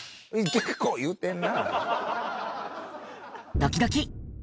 結構言ってんな。